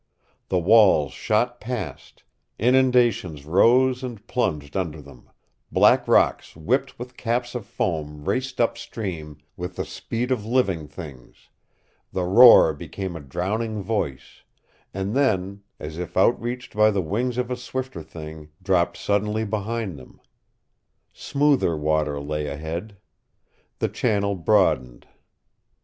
The walls shot past; inundations rose and plunged under them; black rocks whipped with caps of foam raced up stream with the speed of living things; the roar became a drowning voice, and then as if outreached by the wings of a swifter thing dropped suddenly behind them. Smoother water lay ahead. The channel broadened.